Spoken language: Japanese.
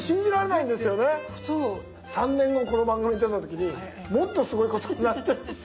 ３年後この番組に出た時にもっとすごいことになってますよ。